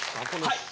はい！